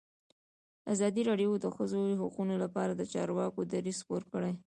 ازادي راډیو د د ښځو حقونه لپاره د چارواکو دریځ خپور کړی.